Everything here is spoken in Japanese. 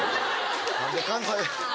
何で関西？